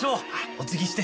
おつぎして。